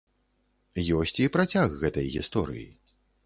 Ёсць і працяг гэтай гісторыі.